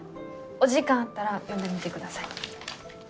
お時間あったら読んでみてください。